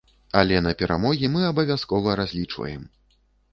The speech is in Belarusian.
Але на перамогі мы абавязкова разлічваем!